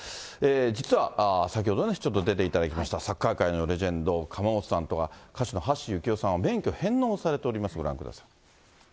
実は、先ほどちょっと出ていただきました、サッカー界のレジェンド、釜本さんとか歌手の橋幸夫さんは免許返納されております。